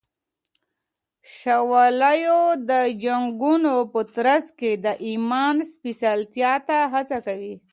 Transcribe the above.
شوالیو د جنگونو په ترڅ کي د ایمان سپېڅلتیا ته هڅه کوي.